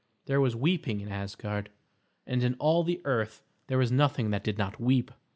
There was weeping in Asgard, and in all the earth there was nothing that did not weep.